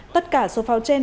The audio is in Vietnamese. tất cả số pháo trên